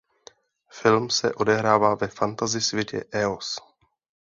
Film se odehrává ve fantasy světě Eos.